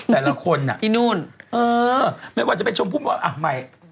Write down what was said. แต่ละคนอ่ะไม่ว่าจะไปชมพู่ไม่ว่าอ้าวใหม่